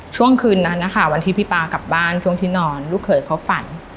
ช่วงคืนนั้นนะคะวันที่พี่ป๊ากลับบ้านช่วงที่นอนลูกเขยเขาฝัน